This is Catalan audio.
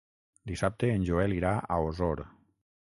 Dissabte en Joel irà a Osor.